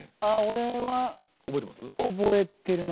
俺は覚えてるな。